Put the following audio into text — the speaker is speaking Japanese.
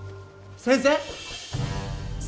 ⁉先生！